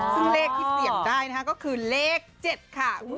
ซึ่งเลขที่เสี่ยงได้นะคะก็คือเลข๗ค่ะ